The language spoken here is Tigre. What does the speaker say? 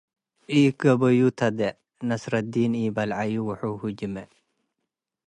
ኢገበዩ ተዴዕ፣ ነስረዲን ኢበልዐዩ ወሑሁ ጅሜዕ።